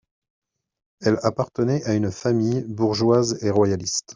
Elle appartenait à une famille bourgeoise et royaliste.